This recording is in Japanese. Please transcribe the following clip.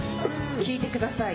聴いてください